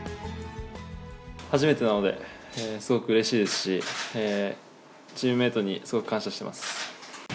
初めてなので、すごくうれしいですし、チームメートにすごく感謝してます。